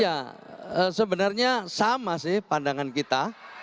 ya sebenarnya sama sih pandangan kita